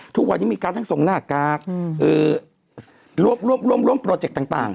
ทุกวันนี้มีการทั้งส่งหน้ากากร่วมโปรเจกต์ต่าง